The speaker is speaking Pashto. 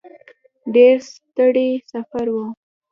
ډېر ستړی سفر و.